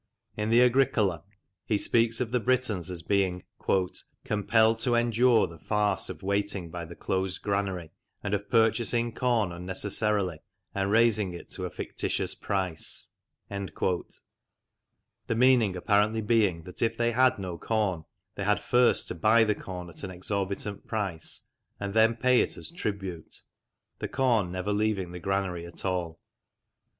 In the Agricola he speaks of the Britons as being " compelled to endure the farce of waiting by the closed granary, and of purchasing corn unnecessarily and raising it to a fictitious price," the meaning apparently being that if they had no corn they had first to buy the corn at an exorbitant price, and then pay it as tribute, the corn never leaving the granary at all.